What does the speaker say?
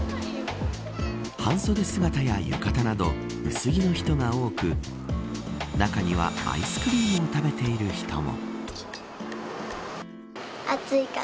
半袖姿や浴衣など薄着の人が多く中にはアイスクリームを食べている人も。